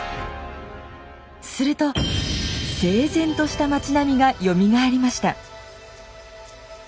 すると整然とした町並みがよみがえりました。